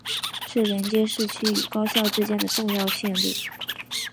是连接市区与高校之间的重要线路。